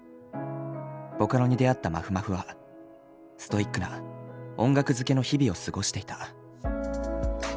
ボカロに出会ったまふまふはストイックな音楽漬けの日々を過ごしていた。